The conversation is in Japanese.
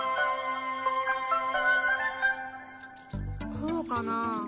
こうかなあ？